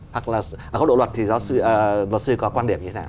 hoặc là ở góc độ luật thì luật sư có quan điểm như thế nào